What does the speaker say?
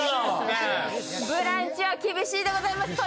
「ブランチ」は厳しいでございます。